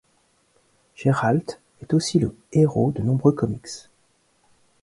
Geralt est aussi le héros de nombreux comics.